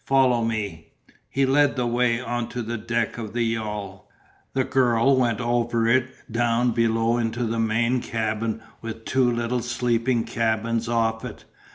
Follow me." He led the way on to the deck of the yawl. The girl went over it down below into the main cabin with two little sleeping cabins off it.